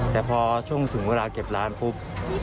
แต่พอช่วงถึงเวลาเก็บร้านปุ๊บ